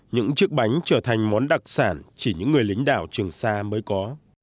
những chiếc bánh trở thành món đặc sản chỉ những người lính đảo trường sa mới có